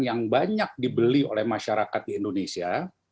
yang banyak dibeli oleh masyarakat di indonesia